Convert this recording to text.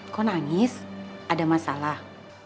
kok nangis ada masalah